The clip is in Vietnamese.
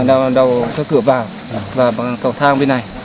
đầu cửa vào và cầu thang bên này